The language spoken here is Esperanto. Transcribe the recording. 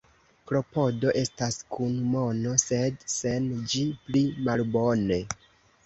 Klopodo estas kun mono, sed sen ĝi pli malbone.